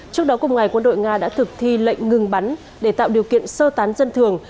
trước đó cùng ngày quân đội nga đã thực thi lệnh ngừng bắn để tạo điều kiện sơ tán dân thường